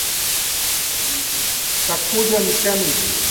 Takuya Mikami